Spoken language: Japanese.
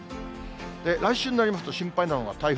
来週になりますと、心配なのが台風。